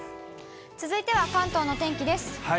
続いては関東のお天気です。